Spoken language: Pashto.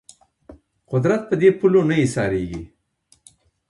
قدرت په دې پولو نه ایسارېږي